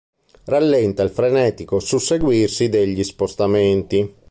Rallenta il frenetico susseguirsi degli spostamenti.